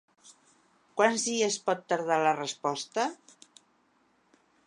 Quants dies pot tardar la resposta?